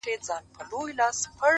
هغه چي له سندرو له ښکلاوو جوړ دی!